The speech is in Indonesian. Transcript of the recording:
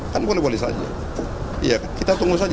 kan boleh boleh saja kita tunggu saja